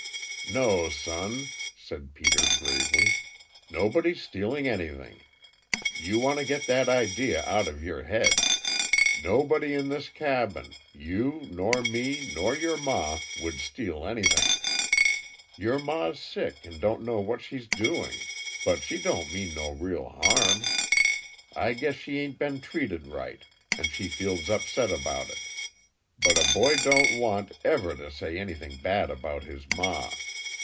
"No, son," said Peter gravely. "Nobody's stealing anything. You want to get that idea out of your head. Nobody in this cabin you, nor me, nor your ma, would steal anything. Your ma's sick and don't know what she's doing, but she don't mean no real harm. I guess she ain't been treated right, and she feels upset about it, but a boy don't want, ever, to say anything bad about his ma."